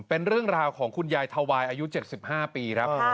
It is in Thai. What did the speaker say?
เป็นเรื่องราวของคุณยายทวายอายุ๗๕ปีครับ